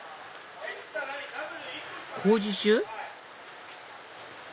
工事中？